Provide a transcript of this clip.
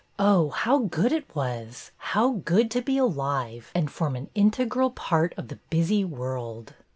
Oh, how good it was, how good to be alive and form an integral part of the busy world!